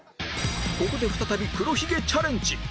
ここで再び黒ひげチャレンジ